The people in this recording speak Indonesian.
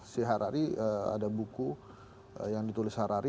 si harari ada buku yang ditulis harari